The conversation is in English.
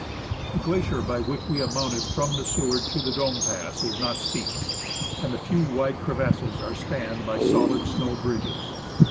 The glacier by which we have to mount from the Seward to the Dome Pass is not steep, and the few wide crevasses are spanned by solid snow bridges.